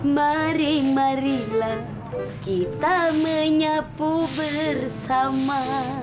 mari marilah kita menyapu bersama